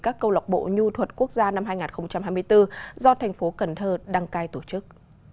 các câu lọc bộ nhu thuật quốc gia năm hai nghìn hai mươi bốn do thành phố cần thơ đăng cai tổ chức